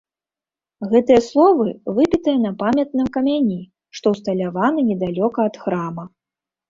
Гэтыя словы выбітыя на памятным камяні, што ўсталяваны недалёка ад храма.